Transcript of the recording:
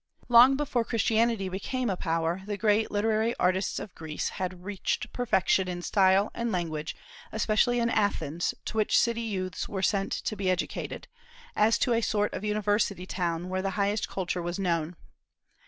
Long before Christianity became a power the great literary artists of Greece had reached perfection in style and language, especially in Athens, to which city youths were sent to be educated, as to a sort of university town where the highest culture was known.